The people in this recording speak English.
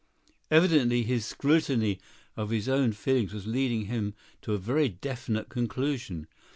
Evidently his scrutiny of his own feelings was leading him to a very definite conclusion.